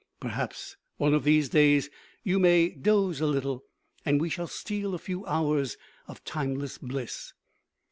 Perhaps one of these days you may doze a little and we shall steal a few hours of timeless bliss.